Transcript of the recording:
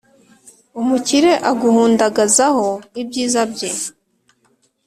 umukire aguhundagazaho ibyiza bye.